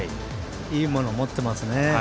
いいものを持ってますね。